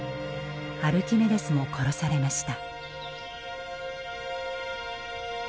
アルキメデスも殺されました。